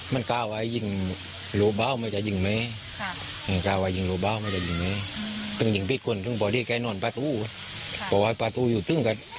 ถึงหลวงบ้านมันหน่วงเสียงประตู